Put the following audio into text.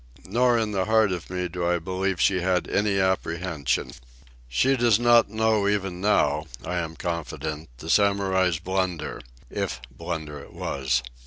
Nor in the heart of me do I believe she had any apprehension. She does not know even now, I am confident, the Samurai's blunder—if blunder it was.